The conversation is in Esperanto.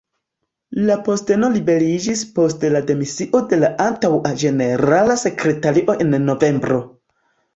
La posteno liberiĝis post la demisio de la antaŭa ĝenerala sekretario en novembro.